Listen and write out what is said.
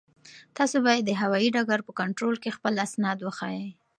تاسو باید د هوایي ډګر په کنټرول کې خپل اسناد وښایئ.